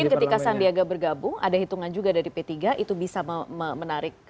mungkin ketika sandiaga bergabung ada hitungan juga dari p tiga itu bisa menarik